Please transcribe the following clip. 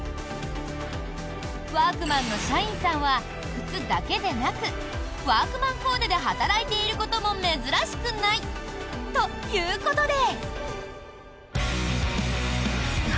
ワークマンの社員さんは靴だけでなくワークマンコーデで働いていることも珍しくないということで。